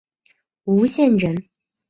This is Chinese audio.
吴县人。